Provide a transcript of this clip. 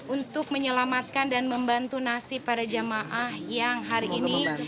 untuk menyelamatkan dan membantu nasib para jamaah yang hari ini